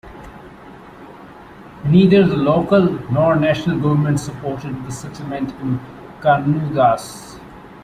Neither the local nor national government supported the settlement in Canudos.